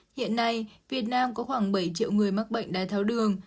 hiện nay việt nam có khoảng bảy triệu người mắc bệnh đai tháo đường